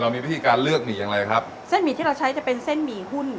มีวิธีการเลือกหมี่อย่างไรครับเส้นหมี่ที่เราใช้จะเป็นเส้นหมี่หุ้น